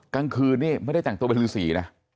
กลางคืนนี้ไม่ได้แต่งโต๊ะเป็นรูศรีนะ